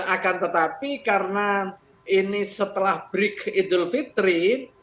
akan tetapi karena ini setelah break idul fitri